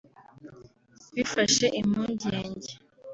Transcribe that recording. bifashe impungenge